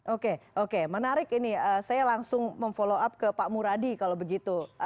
oke oke menarik ini saya langsung memfollow up ke pak muradi kalau begitu